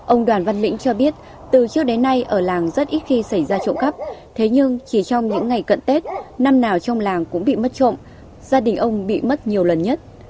ông đoàn văn lĩnh cho biết từ trước đến nay ở làng rất ít khi xảy ra trộm cắp thế nhưng chỉ trong những ngày cận tết năm nào trong làng cũng bị mất trộm gia đình ông bị mất nhiều lần nhất